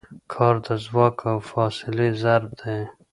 کار د ځواک او فاصلې ضرب دی.